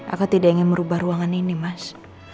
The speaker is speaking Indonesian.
aku tidak ingin merubah ruangan ini mas